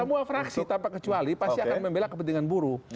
semua fraksi tanpa kecuali pasti akan membela kepentingan buruh